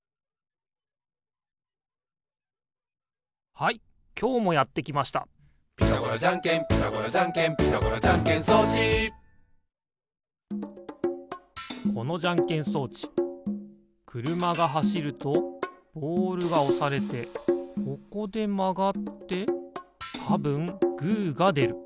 はいきょうもやってきました「ピタゴラじゃんけんピタゴラじゃんけん」「ピタゴラじゃんけん装置」このじゃんけん装置くるまがはしるとボールがおされてここでまがってたぶんグーがでる。